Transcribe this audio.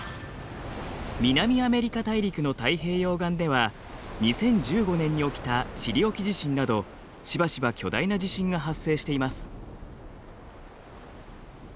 南アメリカ大陸の太平洋岸では２０１５年に起きたチリ沖地震などしばしば巨大な地震が発生しています。